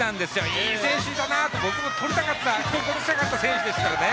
いい選手だなと僕もとりたかった選手ですからね。